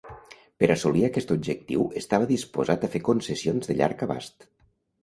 Per assolir aquest objectiu estava disposat a fer concessions de llarg abast.